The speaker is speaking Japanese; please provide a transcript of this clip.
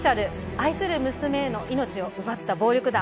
愛する娘への命を奪った暴力団。